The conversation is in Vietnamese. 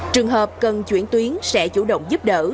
trường hợp cần chuyển tuyến sẽ chủ động giúp đỡ